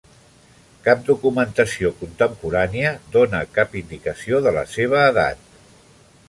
Cap documentació contemporània dóna cap indicació de la seva edat.